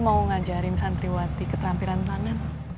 mau ngajarin santriwati keterampilan tanah